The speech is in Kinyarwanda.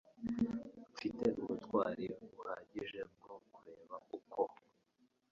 Mfite ubutwari buhagije bwo kureba uko